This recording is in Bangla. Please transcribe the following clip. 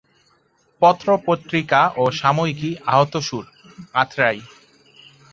পত্র-পত্রিকা ও সাময়িকী আহতসুর, আত্রাই।